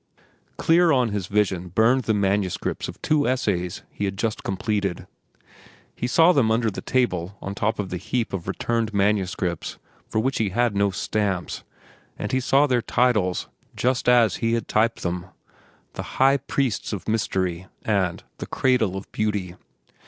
Clear on his vision burned the manuscripts of two essays he had just completed. He saw them under the table on top of the heap of returned manuscripts for which he had no stamps, and he saw their titles, just as he had typed them—"The High Priests of Mystery," and "The Cradle of Beauty."